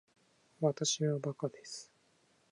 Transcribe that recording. わたしはバカです